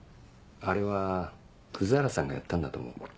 あれは葛原さんがやったんだと思う。